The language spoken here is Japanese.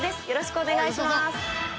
よろしくお願いします。